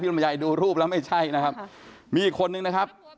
ลำไยดูรูปแล้วไม่ใช่นะครับมีอีกคนนึงนะครับ